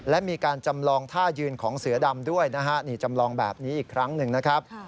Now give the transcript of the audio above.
และมีการจำลองท่ายืนของเสือดำด้วยนะฮะนี่จำลองแบบนี้อีกครั้งหนึ่งนะครับ